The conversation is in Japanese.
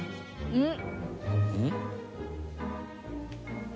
うん。